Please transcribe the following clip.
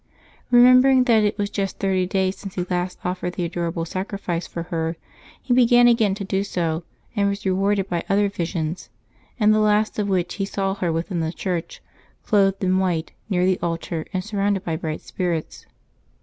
EememlDering that it was just thirty days since he last offered the Adorable Sac rifice for her, he began again to do so, and was rewarded by other visions, in the last of which he saw her within the church, clothed in white, near the altar, and surrounded by bright spirits.